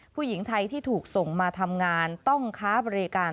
ผู้หญิงไทยที่ถูกส่งมาทำงานต้องค้าบริการ